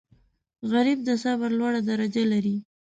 غریب د صبر لوړه درجه لري